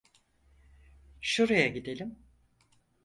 Şuraya gidelim.